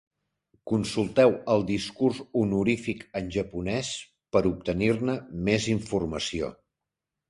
Consulteu el discurs honorífic en japonés per obtenir-ne més informació.